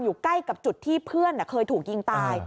ใกล้กับจุดที่เพื่อนเคยถูกยิงตาย